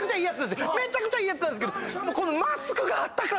めちゃくちゃいいやつなんすけど。